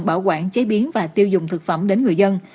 bảo quản chế biến và tiêu dùng thực phẩm đến người dân